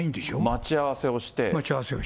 待ち合わせをして。